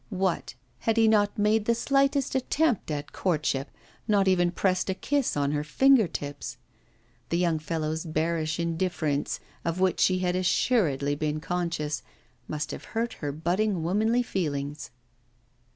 What! he had not made the slightest attempt at courtship, not even pressed a kiss on her finger tips. The young fellow's bearish indifference, of which she had assuredly been conscious, must have hurt her budding womanly feelings.